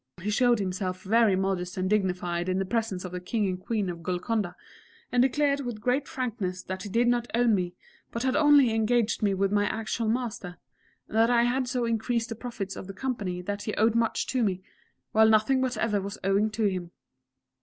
He showed himself very modest and dignified in the presence of the King and Queen of Golconda, and declared with great frankness that he did not own me, but had only engaged me with my actual master, and that I had so increased the profits of the company that he owed much to me, while nothing whatever was owing to him.